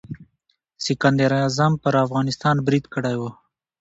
سکندر اعظم پر افغانستان برید کړی و.